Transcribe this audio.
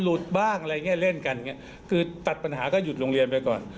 แล้วต่างอีกแล้วก็เล่นกันคือตัดปัญหาก็หยุดโรงเรียนไปก่อน